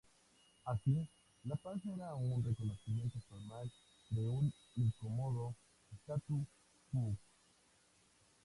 Así, la paz era un reconocimiento formal de un incómodo "statu quo".